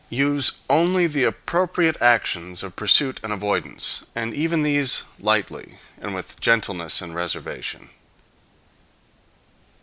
Use only the appropriate actions of pursuit and avoidance; and even these lightly, and with gentleness and reservation.